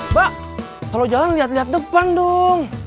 mbak kalau jalan lihat lihat depan dong